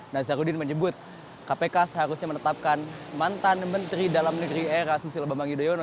nazarudin menyebut kpk seharusnya menetapkan mantan menteri dalam negeri era susilo bambang yudhoyono